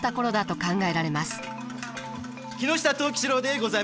木下藤吉郎でございます。